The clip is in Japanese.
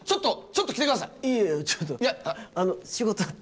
いやちょっとあの仕事あって。